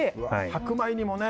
白米にもね！